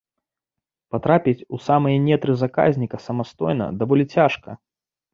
Патрапіць у самыя нетры заказніка самастойна даволі цяжка.